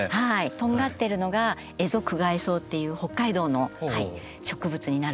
とんがってるのがエゾクガイソウという北海道の植物になるんですけれども。